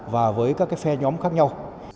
và với các phe nhóm khác nhau